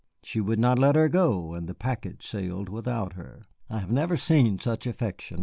She would not let her go, and the packet sailed without her. I have never seen such affection.